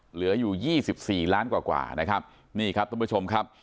เหลืออยู่ยี่สิบสี่ล้านกว่ากว่านะครับนี่ครับท่านผู้ชมครับ